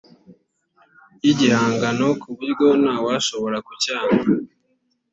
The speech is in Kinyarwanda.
y’igihangano ku buryo nta washobora kucyanga